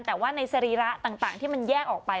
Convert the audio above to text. แต่ว่าในสรีระต่างที่มันแยกออกไป